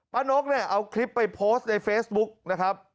นกเนี่ยเอาคลิปไปโพสต์ในเฟซบุ๊กนะครับ